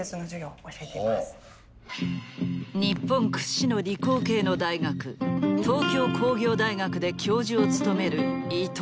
日本屈指の理工系の大学東京工業大学で教授を務める伊藤亜紗。